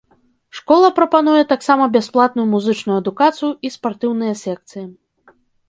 Школа прапануе таксама бясплатную музычную адукацыю і спартыўныя секцыі.